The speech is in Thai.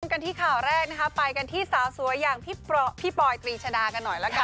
กันที่ข่าวแรกนะคะไปกันที่สาวสวยอย่างพี่ปอยตรีชดากันหน่อยละกัน